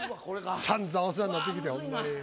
さんざんお世話になってきてほんまに。